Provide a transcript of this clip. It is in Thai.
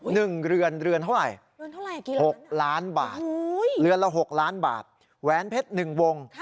หนึ่งเรือนเท่าไหร่๖ล้านบาทเรือนละ๖ล้านบาทแว้นเพชรหนึ่งวง